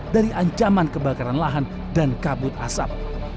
dari ancaman kebakaran lahan dan kabut asap